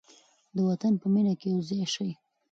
د وطن په مینه کې یو ځای شئ.